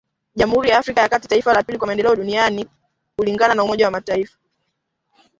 Jamhuri ya Afrika ya kati, taifa la pili kwa maendeleo duni duniani kulingana na umoja wa mataifa